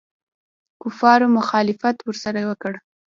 کفارو مخالفت ورسره وکړ.